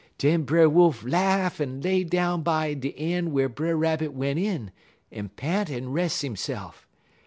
"Den Brer Wolf laugh en lay down by de een' whar Brer Rabbit went in, en pant en res' hisse'f.